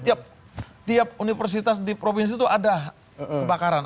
tiap universitas di provinsi itu ada kebakaran